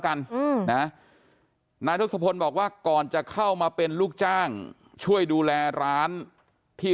กันอืมนะนายทศพลบอกว่าก่อนจะเข้ามาเป็นลูกจ้างช่วยดูแลร้านที่